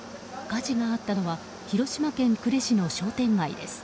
火事があったのは広島県呉市の商店街です。